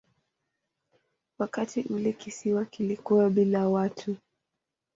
Wakati ule kisiwa kilikuwa bila watu.